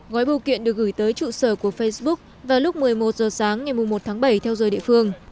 ngói biểu kiện được gửi tới trụ sở của facebook vào lúc một mươi một h sáng ngày một tháng bảy theo dời địa phương